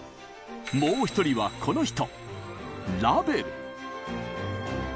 もう一人はこの人！